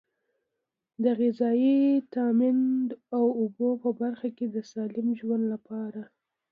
د غذایي تامین او اوبو په برخه کې د سالم ژوند لپاره.